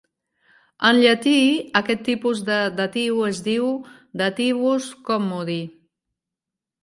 En llatí aquest tipus de datiu es diu "dativus commodi".